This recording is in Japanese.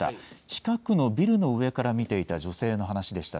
近くのビルの上から見ていた女性の話でした。